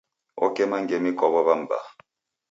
Okema ngemi kwa w'ow'a m'baa.